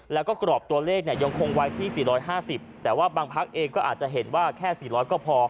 แล้วก็กรอบตัวเลขเนี่ยยังคงไว้ที่๔๕๐แต่ว่าบางพักเองก็อาจจะเห็นว่าแค่๔๐๐ก็พอ